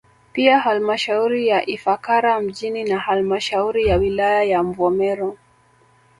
Pia halmashauri ya Ifakara mjini na halmashauri ya wilaya ya Mvomero